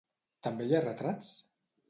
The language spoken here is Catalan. També hi ha retrats?